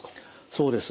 そうです。